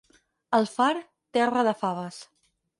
El Far, terra de faves.